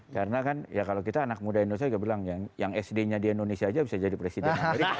karena kan kalau kita anak muda indonesia juga bilang yang sd nya di indonesia saja bisa jadi presiden